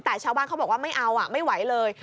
แต่ชาวบ้านเขาบอกว่าไม่เอาไม่ไหวเลย